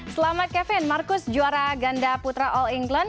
selamat kevin marcus juara ganda putra all england